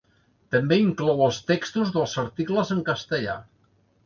També inclou els textos dels articles en castellà.